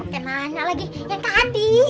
ya makanya lagi yang tadi